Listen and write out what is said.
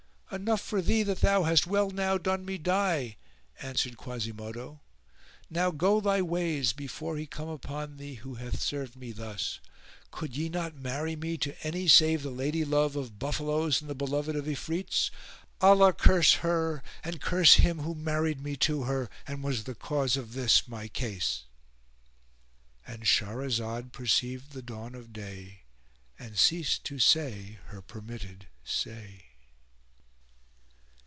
"Enough for thee that thou hast well nigh done me die, " answered Quasimodo; "now go thy ways before he come upon thee who hath served me thus. Could ye not marry me to any save the lady love of buffaloes and the beloved of Ifrits? Allah curse her and curse him who married me to her and was the cause of this my case,"—And Shahrazad perceived the dawn of day, and ceased to say her permitted say.